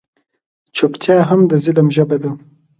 چوپتیا هم د ظلم ژبه ده.